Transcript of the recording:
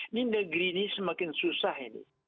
ini negeri ini semakin susah ini